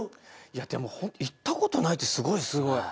いやでもほんと行った事ないってすごいですね。